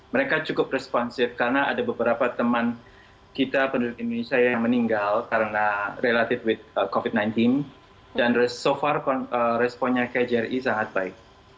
mereka cukup responsif karena ada beberapa teman kita penduduk indonesia yang meninggal karena relative with covid sembilan belas dan so far responnya kjri sangat baik